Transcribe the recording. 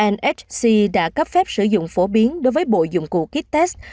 nhc đã cấp phép sử dụng phổ biến đối với bộ dụng cụ kit test